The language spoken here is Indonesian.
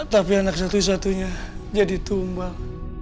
tapi anak satu satunya jadi tumbang